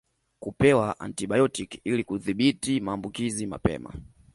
Kupewa antibayotiki ili kudhibiti maambukizi mapema